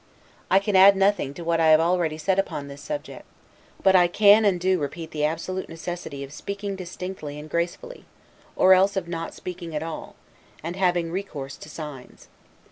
I can add nothing to what I have already said upon this subject; but I can and do repeat the absolute necessity of speaking distinctly and gracefully, or else of not speaking at all, and having recourse to signs.